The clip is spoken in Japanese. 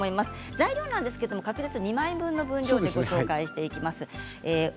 材料はカツレツ２枚分の分量でご紹介していきます。